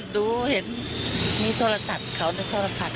ดูเห็นมีทรทัศน์เขาในทรทัศน์